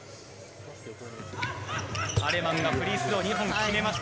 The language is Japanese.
アレマンがフリースロー２本決めました。